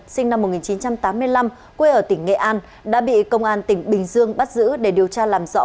sinh năm một nghìn chín trăm tám mươi năm quê ở tỉnh nghệ an đã bị công an tỉnh bình dương bắt giữ để điều tra làm rõ